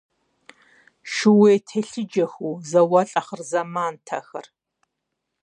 Шууей телъыджэхэу, зауэлӀ ахъырзэмант ахэр!